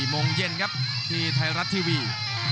โมงเย็นครับที่ไทยรัฐทีวี